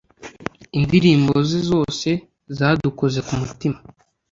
Indirimbo ze zose zadukoze ku mitima